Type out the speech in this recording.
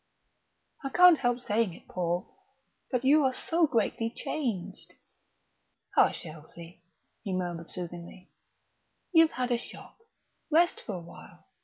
"I can't help saying it, Paul, but you are so greatly changed." "Hush, Elsie," he murmured soothingly; "you've had a shock; rest for a while.